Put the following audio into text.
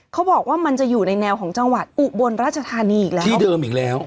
เขาบอกว่ามันจะอยู่ในแนวของจังหวัดอุบลราชธานีอีกแล้ว